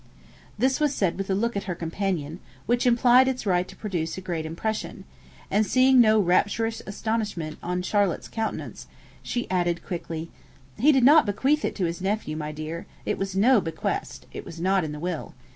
This was said with a look at her companion which implied its right to produce a great impression; and seeing no rapturous astonishment in Charlotte's countenance, she added quickly, 'He did not bequeath it to his nephew, my dear; it was no bequest; it was not in the will.